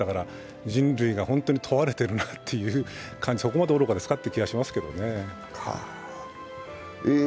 人類が本当に問われているなと、そこまで愚かですかという感じがしますけどね。